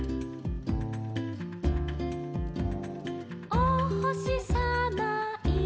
「おほしさまいるよ」